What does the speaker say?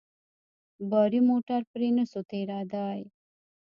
باري موټر پرې نه سو تېرېداى.